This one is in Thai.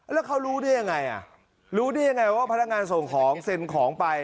แล้วเขารู้ได้ยังไงอ่ะรู้ได้ยังไงว่าพนักงานส่งของเซ็นของไป